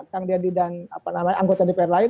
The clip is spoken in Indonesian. kang deddy dan anggota dpr lain